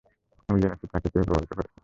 আমি জেনেছি তাকে কেউ প্রভাবিত করছে।